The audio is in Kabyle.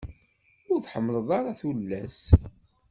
Ur tḥemmleḍ ara tullas?